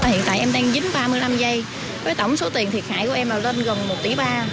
hiện tại em đang dính ba mươi năm giây với tổng số tiền thiệt hại của em là lên gần một tỷ ba